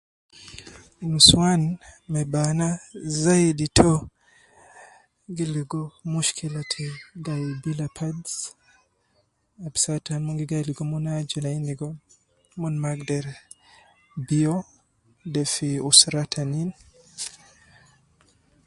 Nusuwan me bana zaidi to, gi ligo mushkila te gai bila pads, ab saa tan mon gi gai ligo mon aju lain ligo mon ma agder biyo, de fi usra tanin